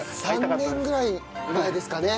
３年ぐらい前ですかね？